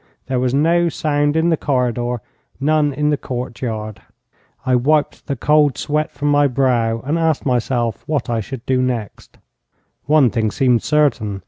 There was no sound in the corridor, none in the courtyard. I wiped the cold sweat from my brow, and asked myself what I should do next. One thing seemed certain.